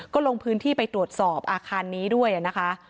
ก็ลงพื้นที่ไปตรวจสอบอาคารนี้ด้วยนะคะ